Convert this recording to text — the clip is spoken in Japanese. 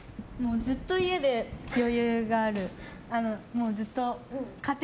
ずっと家で余裕があるって。